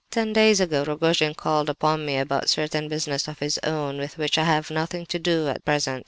Ten days ago Rogojin called upon me about certain business of his own with which I have nothing to do at present.